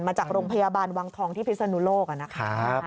มาจากโรงพยาบาลวังทองที่พิศนุโลกนะครับ